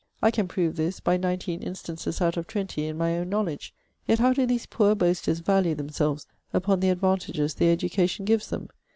I can prove this by nineteen instances out of twenty in my own knowledge. Yet how do these poor boasters value themselves upon the advantages their education gives them!